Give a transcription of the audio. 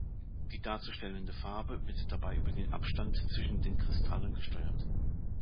Die darzustellende Farbe wird dabei über den Abstand zwischen den Kristallen gesteuert.